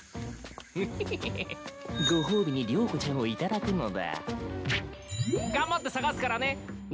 フヘヘヘご褒美に了子ちゃんをいただくのだ頑張って捜すからね兄さん。